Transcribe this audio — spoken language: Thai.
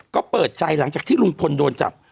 ก็เปิดใจหลังจากที่ลุงพลโดนจับ